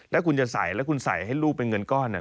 ถ้าคุณจะใส่แล้วคุณใส่ให้ลูกเป็นเงินก้อน